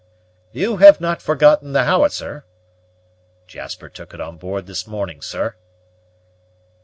"You have not forgotten the howitzer?" "Jasper took it on board this morning, sir."